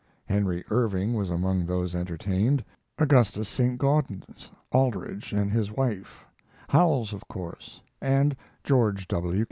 Henry Irving was among those entertained, Augustus Saint Gaudens, Aldrich and his wife, Howells of course, and George W.